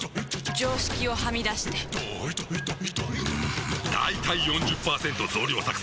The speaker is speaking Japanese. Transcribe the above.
常識をはみ出してんだいたい ４０％ 増量作戦！